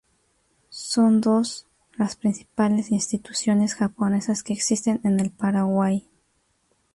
Son dos las principales instituciones japonesas que existen en el Paraguay.